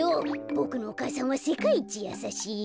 ボクのお母さんはせかいいちやさしいよ。